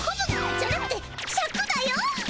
じゃなくてシャクだよ。